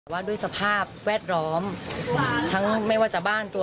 สิ่งที่เขาเพิ่มเจอในวัยแค่๖๑๗ปีเนี่ย